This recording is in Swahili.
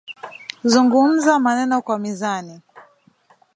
"Zungumza maneno kwa mizani"